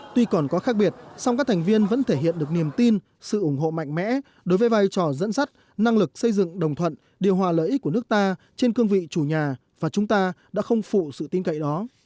tuy còn có khác biệt song các thành viên vẫn thể hiện được niềm tin sự ủng hộ mạnh mẽ đối với vai trò dẫn dắt năng lực xây dựng đồng thuận điều hòa lợi ích của nước ta trên cương vị chủ nhà và chúng ta đã không phụ sự tin cậy đó